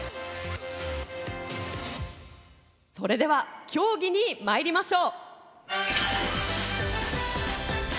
それでは競技にまいりましょう。